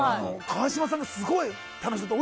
川島さんがすごい。